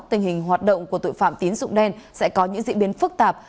tình hình hoạt động của tội phạm tín dụng đen sẽ có những diễn biến phức tạp